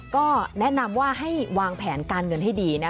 ก็แนะนำว่าให้วางแผนการเงินให้ดีนะ